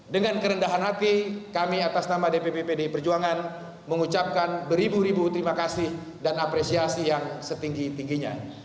dengan kerendahan hati kami atas nama dpp pdi perjuangan mengucapkan beribu ribu terima kasih dan apresiasi yang setinggi tingginya